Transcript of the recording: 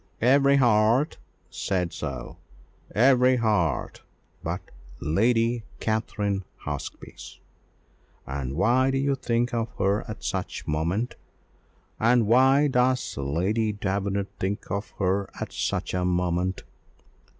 Every heart said so every heart but Lady Katrine Hawksby's And why do we think of her at such a moment? and why does Lady Davenant think of her at such a moment?